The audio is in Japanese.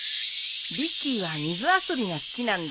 ビッキーは水遊びが好きなんだ。